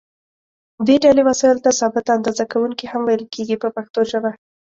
دې ډلې وسایلو ته ثابته اندازه کوونکي هم ویل کېږي په پښتو ژبه.